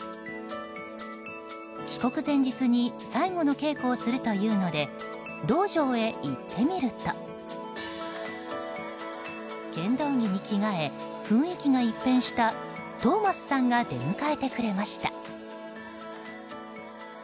帰国前日に最後の稽古をするというので道場へ行ってみると剣道着に着替え雰囲気が一変したトーマスさんが出迎えてくれました。